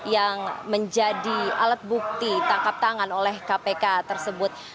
yang menjadi alat bukti tangkap tangan oleh kpk tersebut